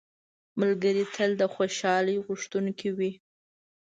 ملګری تل د خوشحالۍ غوښتونکی وي